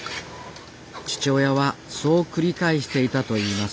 父親はそう繰り返していたと言います